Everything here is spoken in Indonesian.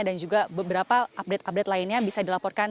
dan juga beberapa update update lainnya bisa dilaporkan